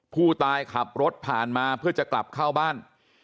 ผู้ตายขับรถผ่านมาเพื่อจะกลับเข้าบ้าน